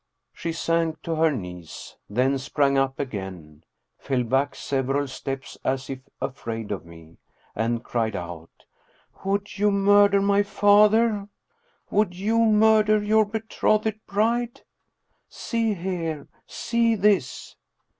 She sank to her knees, then sprang up again, fell back several steps as if afraid of me, and cried out :" Would you murder my father? Would you murder your betrothed bride? See here! See this!"